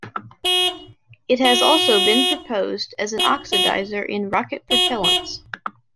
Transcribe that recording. It has also been proposed as an oxidizer in rocket propellants.